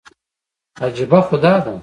عجیبه خو دا ده.